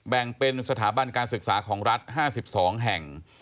แบ่งเป็นสถาบันการศึกษาของรัฐ๕๒แห่ง